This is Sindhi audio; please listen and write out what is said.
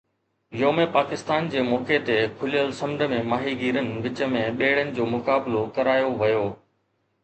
يوم پاڪستان جي موقعي تي کليل سمنڊ ۾ ماهيگيرن وچ ۾ ٻيڙين جو مقابلو ڪرايو ويو